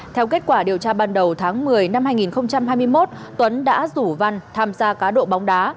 theo kết quả điều tra ban đầu tháng một mươi năm hai nghìn hai mươi một tuấn đã rủ văn tham gia cá độ bóng đá